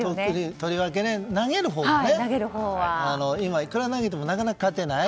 とりわけ、投げるほうは今、いくら投げてもなかなか勝てない。